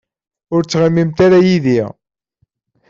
Ur ttɣimimt ara yid-i.